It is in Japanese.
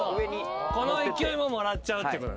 この勢いももらっちゃうってこと。